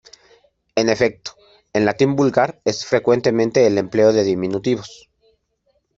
En efecto, en latín vulgar es frecuente el empleo de diminutivos.